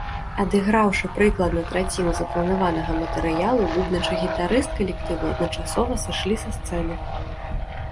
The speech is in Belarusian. Адыграўшы прыкладна траціну запланаванага матэрыялу бубнач і гітарыст калектыву адначасова сышлі са сцэны.